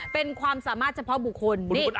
เป็นความสามารถเฉพาะบุคคล